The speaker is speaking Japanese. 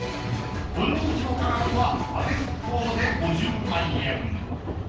本人評価額はあてずっぽうで５０万円。